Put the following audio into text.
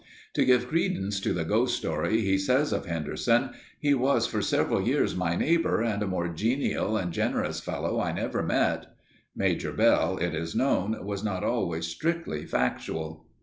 To give credence to the ghost story he says of Henderson, "He was for several years my neighbor and a more genial and generous fellow I never met...." Major Bell, it is known, was not always strictly factual.